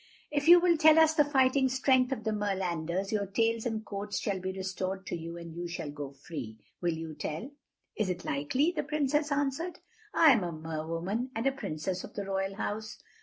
"If you will tell us the fighting strength of the Merlanders, your tails and coats shall be restored to you and you shall go free. Will you tell?" "Is it likely?" the Princess answered. "I am a Mer woman, and a Princess of the Royal House.